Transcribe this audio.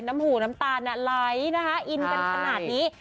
น้ำหูน้ำตาลไหลนะคะอินกันขนาดนี้